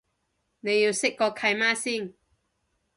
你要識個契媽先